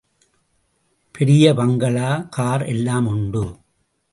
பெரிய bungalow, car எல்லாம் உண்டு.